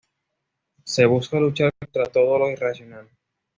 Se busca luchar contra todo lo irracional.